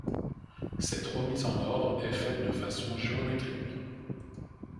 Cette remise en ordre est faite de façon géométrique.